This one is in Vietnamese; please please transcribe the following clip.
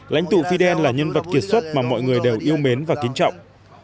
lãnh tụ fidel là nhân vật kiệt xuất mà mọi người đều yêu mến và kính trọng